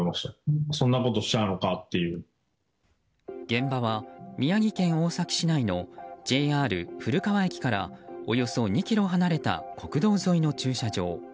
現場は宮城県大崎市内のＪＲ古川駅からおよそ２ｋｍ離れた国道沿いの駐車場。